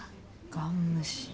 ガン無視。